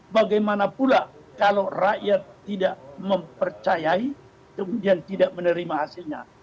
bagaimana pula kalau rakyat tidak mempercayai kemudian tidak menerima hasilnya